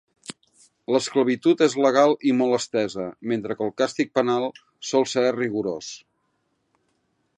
L'esclavitud és legal i molt estesa, mentre que el càstig penal sol ser rigorós.